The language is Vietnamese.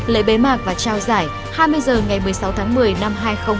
lễ bế mạc và trao giải hai mươi h ngày một mươi sáu tháng một mươi năm hai nghìn hai mươi